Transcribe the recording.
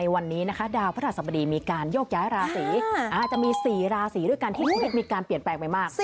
วันนี้นะคะดาวพระศาสบดีมีการยกย้ายระสีอาจมีซีได้ด้วยกันทิ้งนิดงานเปลี่ยนแปลกเลยมาก